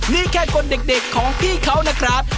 นี่แค่คนเด็กของพี่เขานะครับ